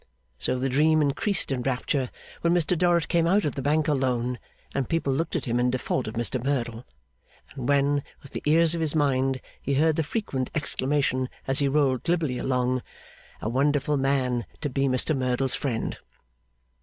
So the dream increased in rapture when Mr Dorrit came out of the bank alone, and people looked at him in default of Mr Merdle, and when, with the ears of his mind, he heard the frequent exclamation as he rolled glibly along, 'A wonderful man to be Mr Merdle's friend!